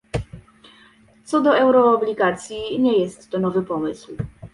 Co do euroobligacji, nie jest to nowy pomysł